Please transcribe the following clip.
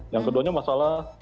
yang keduanya masalah